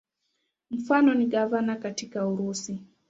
Mfano ni gavana katika Urusi.